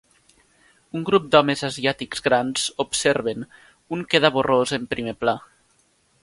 Un grup d'homes asiàtics grans observen, un queda borrós en primer pla.